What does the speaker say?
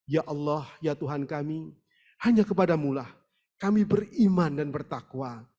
ya allah ya tuhan kami hanya kepadamulah kami beriman dan bertakwa